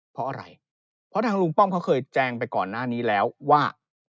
เพราะอะไรเพราะทางลุงป้อมเขาเคยแจงไปก่อนหน้านี้แล้วว่า